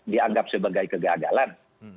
dianggap sebagai kegagalan